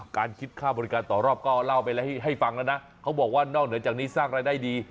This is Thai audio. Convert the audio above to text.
การคิดค่าบริการต่อรอบก็เล่าไปให้ฟังแล้วนะเขาบอกว่านอกเหนือจากนี้สร้างรายได้ดี